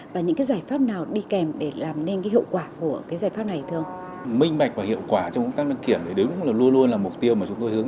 và những cái giải pháp nào đi kèm để làm nên cái hiệu quả của cái giải pháp này thường